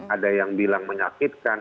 ada yang bilang menyakitkan